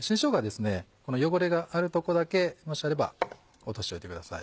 この汚れがあるとこだけもしあれば落としておいてください。